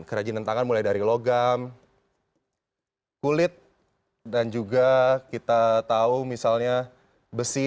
kerajinan tangan mulai dari logam kulit dan juga kita tahu misalnya besi